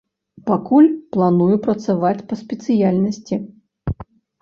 Пакуль, планую працаваць па спецыяльнасці.